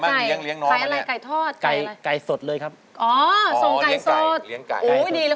อันนี้ทำอะไรฮะ